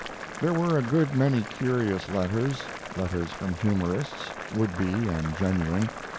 There were a good many curious letters letters from humorists, would be and genuine.